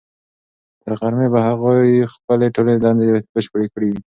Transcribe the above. تر غرمې به هغوی خپلې ټولې دندې بشپړې کړې وي.